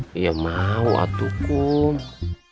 tapi saya sudah memiliki guru